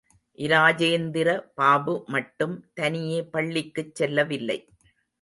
இராஜேந்திர பாபு மட்டும் தனியே பள்ளிக்குச் செல்லவில்லை.